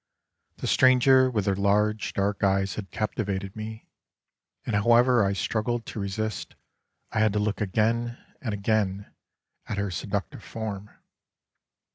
The stranger with her large, dark eyes had captivated me, and however I struggled to resist I had to look again and again at her seductive form.